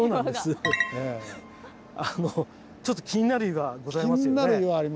ちょっと気になる岩ございますよね。